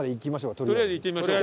とりあえず行ってみましょうか。